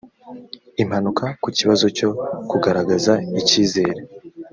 impaka ku kibazo cyo kugaragaza icyizere